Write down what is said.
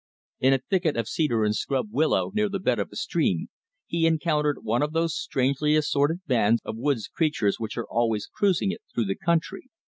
In a thicket of cedar and scrub willow near the bed of a stream, he encountered one of those strangely assorted bands of woods creatures which are always cruising it through the country.